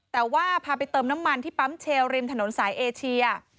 แต่ว่าพาไปเติมน้ำมันที่ปั๊มเชลริมถนนสายเอเชีย